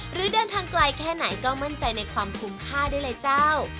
หรือเดินทางไกลแค่ไหนก็มั่นใจในความคุ้มค่าได้เลยเจ้า